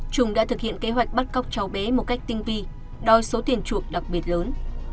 trung đã thực hiện kế hoạch bắt cóc cháu bé một cách tinh vi đòi số tiền chuộc đặc biệt lớn